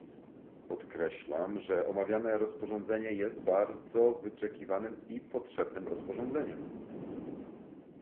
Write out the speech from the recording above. Podkreślam, że omawiane rozporządzenie jest bardzo wyczekiwanym i potrzebnym rozporządzeniem